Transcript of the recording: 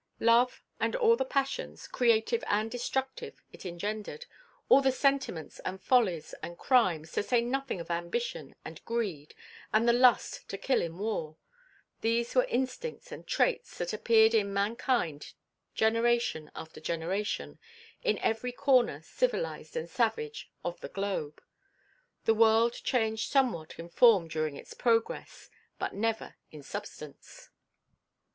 Love, and all the passions, creative and destructive, it engendered, all the sentiments and follies and crimes, to say nothing of ambition and greed and the lust to kill in war these were instincts and traits that appeared in mankind generation after generation, in every corner civilized and savage of the globe. The world changed somewhat in form during its progress, but never in substance.